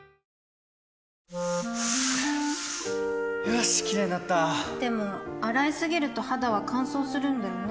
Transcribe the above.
よしキレイになったでも、洗いすぎると肌は乾燥するんだよね